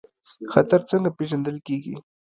خطر څنګه پیژندل کیږي؟